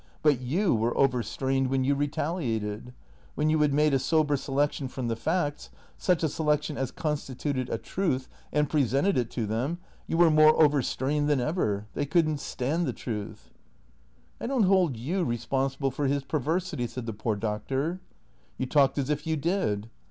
But you were overstrained when you retaliated. AVlien you had made a sober selection from the facts, such a selection as constituted a truth, and presented it to them, you were more overstrained than ever. They could n't stand the truth. " I don't hold you responsible for his perversity," said the poor Doctor. " You talked as if you did."